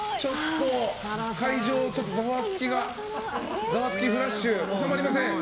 会場はざわつき、フラッシュ収まりません。